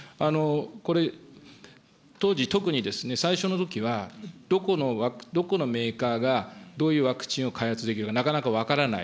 これ、当時、特に最初のときは、どこのメーカーがどういうワクチンを開発できるか、なかなか分からない。